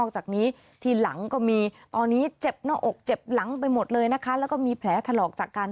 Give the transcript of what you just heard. เจ็บนอกอกเจ็บหลังไปหมดเลยนะคะแล้วก็มีแผลถลอกจากการ